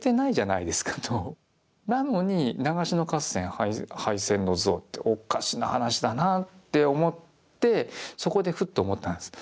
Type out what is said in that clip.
なのに長篠合戦敗戦の像っておかしな話だなって思ってそこでふっと思ったんです。